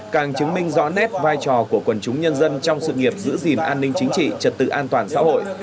càng chứng minh rõ nét vai trò của quần chúng nhân dân trong sự nghiệp giữ gìn an ninh chính trị trật tự an toàn xã hội